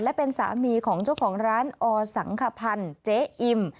และเป็นสามีของเจ้าของร้านอสังขพันธ์เจ๊อิม